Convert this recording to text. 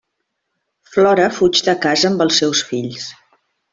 Flora fuig de casa amb els seus fills.